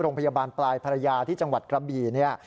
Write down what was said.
โรงพยาบาลปลายภรรยาที่จังหวัดกระบี่เนี่ย